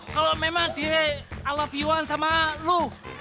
kalau memang dia ala v satu sama lo